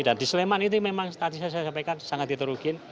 dan di sleman ini memang tadi saya sampaikan sangat diterugin